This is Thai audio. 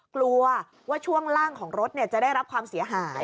กลัวว่าช่วงล่างของรถจะได้รับความเสียหาย